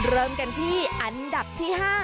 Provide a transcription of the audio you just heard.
เริ่มกันที่อันดับที่๕